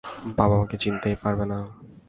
বাবা আমাকে চিনতেই পারবে না।